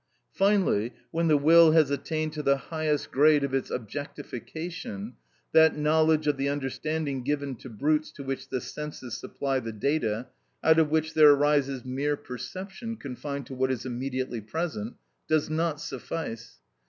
Finally, when the will has attained to the highest grade of its objectification, that knowledge of the understanding given to brutes to which the senses supply the data, out of which there arises mere perception confined to what is immediately present, does not suffice.